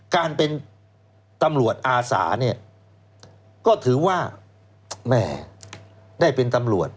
การเป็นตำรวจอาสาเนี่ยก็ถือว่าแม่ได้เป็นตำรวจ